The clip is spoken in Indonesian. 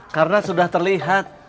karena sudah terlihat